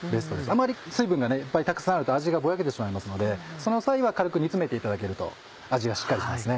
あまり水分がたくさんあると味がぼやけてしまいますのでその際は軽く煮詰めていただけると味がしっかりします。